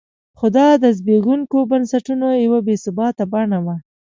خو دا د زبېښونکو بنسټونو یوه بې ثباته بڼه وه.